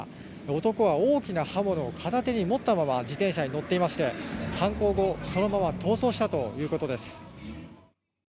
男は大きな刃物を片手で持ったまま自転車に乗っていまして犯行後、そのまま逃走したということです。